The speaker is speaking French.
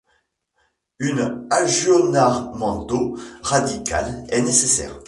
Un aggiornamento radical est nécessaire.